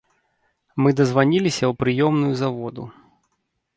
Мы дазваніліся ў прыёмную заводу.